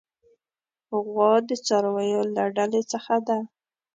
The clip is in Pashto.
غوا د څارویو له ډلې څخه ده.